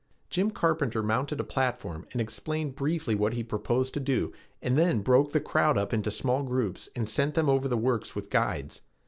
Jim Carpenter mounted a platform and explained briefly what he proposed to do and then broke the crowd up into small groups and sent them over the works with guides.